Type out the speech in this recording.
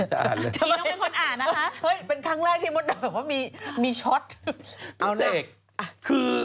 เกี่ยวกับพี่เสก